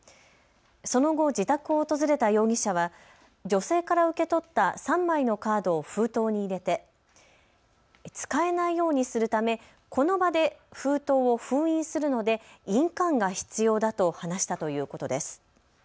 その後、自宅を訪れた容疑者は女性から受け取った３枚のカードを封筒に入れて使えないようにするためこの場で封筒を封印するので印鑑が必要だと話したということです。